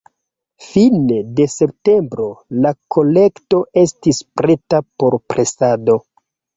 Fine de septembro la kolekto estis preta por presado.